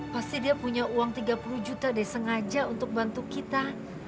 pasti dia punya uang tiga puluh juta deh sengaja untuk bantu kita